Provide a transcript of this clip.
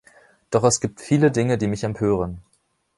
Doch es gibt viele Dinge, die mich empören.